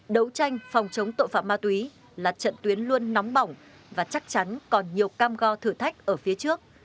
đấu tranh phòng chống tội phạm ma túy là trận tuyến luôn nóng bỏng và chắc chắn còn nhiều cam go thử thách ở phía trước